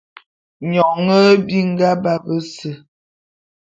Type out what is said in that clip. Nyone nhe binga ba bese.